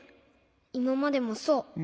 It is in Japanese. いままでもそう。